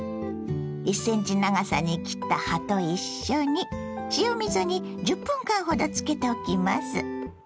１ｃｍ長さに切った葉と一緒に塩水に１０分間ほどつけておきます。